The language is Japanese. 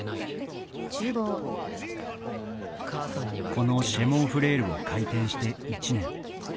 この「シェ・モン・フレール」を開店して１年。